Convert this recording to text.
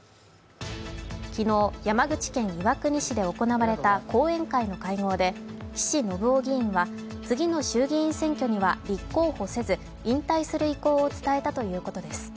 昨日山口県岩国市で行われた後援会の会合で岸信夫議員は次の衆議院議員には立候補せず、引退する意向を伝えたということです。